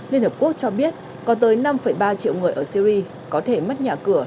liên hợp quốc cho biết có tới năm ba triệu người ở syri có thể mất nhà cửa